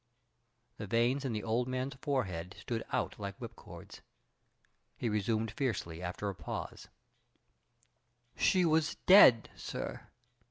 The veins in the old man's forehead stood out like whipcords. He resumed fiercely after a pause: "She was dead, sir.